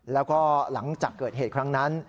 แล้วก็หลังจากเกิดเหตุครั้งนั้น